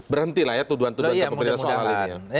berhenti lah ya tuduhan tuduhan pemerintah soal ini